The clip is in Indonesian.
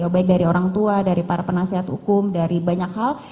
baik dari orang tua dari para penasihat hukum dari banyak hal